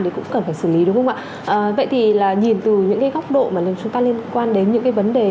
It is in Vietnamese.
thì cũng cần phải xử lý đúng không ạ vậy thì là nhìn từ những cái góc độ mà nếu chúng ta liên quan đến những cái vấn đề